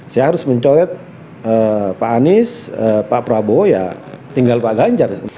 saya harus mencoret pak anies pak prabowo ya tinggal pak ganjar